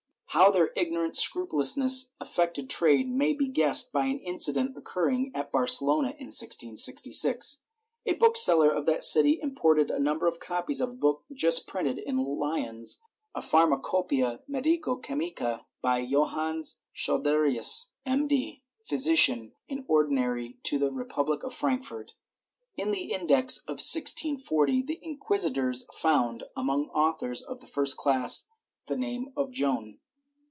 How their ignorant scrupulousness affected trade may be guessed by an incident occurring at Barcelona in 1666. A book seller of that city imported a number of copies of a book just printed in Lyons — a Pharmacopceia Medico Chemica, by Johannes Schoderius, M.D., Physician in ordinary to the Repubhc of Frank furt a/M. In the Index of 1640, the inquisitors found, among authors of the first class, the name of Joan.